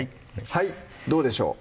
はいどうでしょう？